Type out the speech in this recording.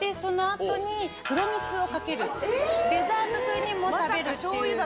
黒蜜をかけるデザート風にも食べるっていう。